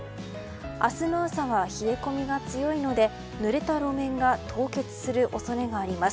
明日の朝は冷え込みが強いのでぬれた路面が凍結する恐れがあります。